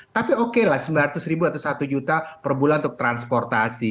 tapi oke lah sembilan ratus ribu atau satu juta per bulan untuk transportasi